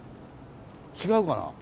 違うかな？